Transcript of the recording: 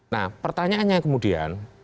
nah pertanyaannya kemudian